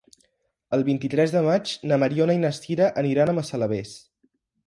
El vint-i-tres de maig na Mariona i na Sira aniran a Massalavés.